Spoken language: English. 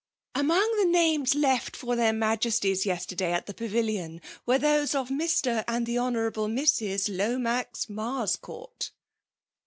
'Among the names left for their MiQcsties yesterday at the Pavilion, were those of Bfr. and the Hon^ Mrs. Lomax Marscourt.